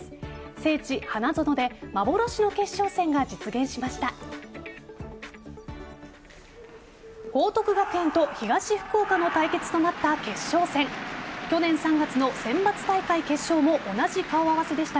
聖地・花園で幻の決勝戦が実現しました。